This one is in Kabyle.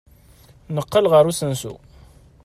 Neqqel ɣer usensu.